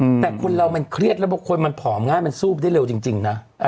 อืมแต่คนเรามันเครียดแล้วบางคนมันผอมง่ายมันสู้ได้เร็วจริงจริงนะเออ